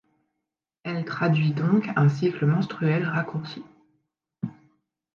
Elle traduit donc un cycle menstruel raccourci.